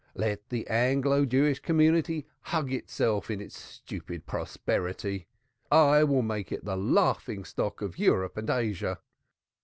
Let the Anglo Jewish community hug itself in its stupid prosperity but I will make it the laughing stock of Europe and Asia.